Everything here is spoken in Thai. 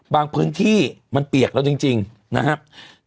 บางพื้นที่มันเปียกแล้วจริงนะครับ